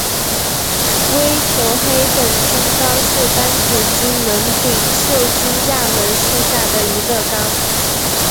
微球黑粉菌纲是担子菌门柄锈菌亚门下的一个纲。